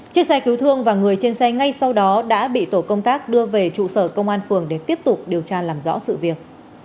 chiếc xe cứu thương và người trên xe ngay sau đó đã bị tổ công tác đưa về trụ sở công an phường để tiếp tục điều tra làm rõ sự việc